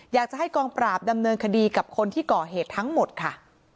อยากจะให้กองปราบดำเนินคดีกับคนที่ก่อเหตุทั้งหมดค่ะ